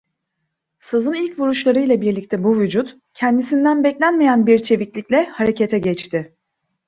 Sazın ilk vuruşlarıyla birlikte bu vücut, kendisinden beklenmeyen bir çeviklikle harekete geçti.